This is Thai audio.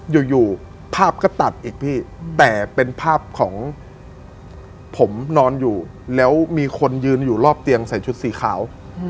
อยู่ภาพก็ตัดอีกพี่แต่เป็นภาพของผมนอนอยู่แล้วมีคนยืนอยู่รอบเตียงใส่ชุดสีขาว